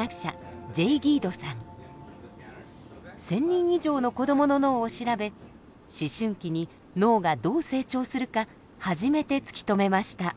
１，０００人以上の子どもの脳を調べ思春期に脳がどう成長するか初めて突き止めました。